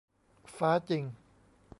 ฟ้าจริง